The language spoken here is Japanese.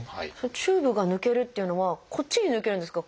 チューブが抜けるっていうのはこっちに抜けるんですか？